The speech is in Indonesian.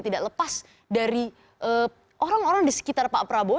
tidak lepas dari orang orang di sekitar pak prabowo